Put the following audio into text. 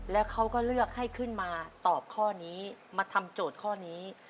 แล้วเขาก็เลือกให้ขึ้นมาตอบข้อนี้มาทำโจทย์ข้อนี้